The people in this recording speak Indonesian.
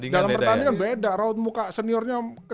dalam pertandingan beda rawat muka seniornya kecil